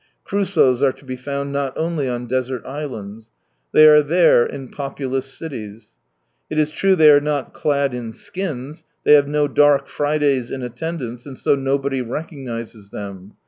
Crusoes are to be found not only on desert islands. They are there, in populous cities. It is true they are not clad in skins, they have no dark Fridays in attendance, and so nobody recognises them.